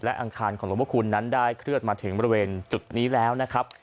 อังคารของหลวงพระคุณนั้นได้เคลื่อนมาถึงบริเวณจุดนี้แล้วนะครับ